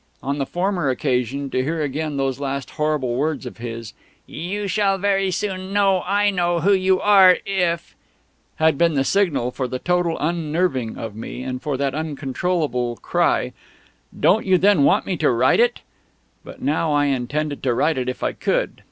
On the former occasion, to hear again those last horrible words of his, "You shall very soon know I know who you are if..." had been the signal for the total unnerving of me and for that uncontrollable cry, "Don't you then want me to write it?" But now I intended to write it if I could.